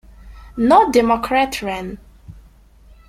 No Democrat ran.